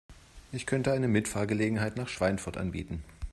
Ich könnte eine Mitfahrgelegenheit nach Schweinfurt anbieten